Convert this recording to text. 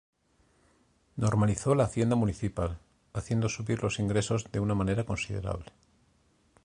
Normalizó la Hacienda Municipal, haciendo subir los ingresos de una manera considerable.